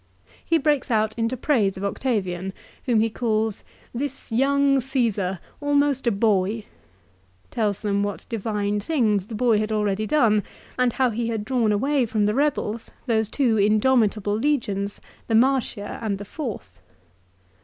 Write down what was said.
He breaks out into praise of Octavian, whom he calls " this young Csesar, almost a boy "; tells them what divine things the boy had already done, and how he had drawn away from the rebels those two indomitable legions, the Martia and the Fourth.